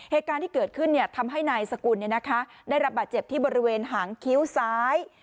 เหตุการณ์ที่เกิดขึ้นทำให้นายสกุลได้รับบาดเจ็บที่บริเวณหางคิ้วซ้าย